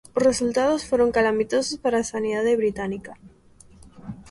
Os resultados foron calamitosos para a sanidade británica.